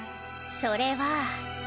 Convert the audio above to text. それは。